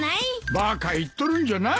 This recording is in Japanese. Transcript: バカ言っとるんじゃない。